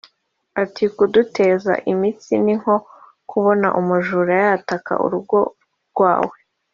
Ari kudutega iminsi ni nko kubona umujuru yataka urugo rwawe